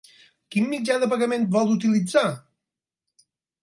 Quin mitjà de pagament vol utilitzar?